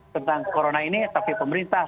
tentang corona ini tapi pemerintah